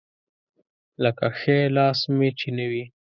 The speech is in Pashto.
لکه ښی لاس مې چې نه وي.